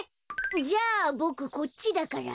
じゃあボクこっちだから。